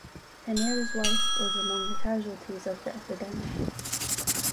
Henare's wife was among the casualties of the epidemic.